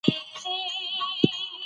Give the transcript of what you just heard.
استاد بینوا د نثر پیاوړی سبک درلود.